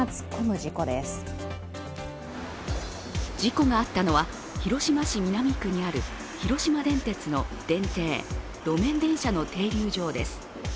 事故があったのは、広島市南区にある広島電鉄の電停、路面電車の停留場です。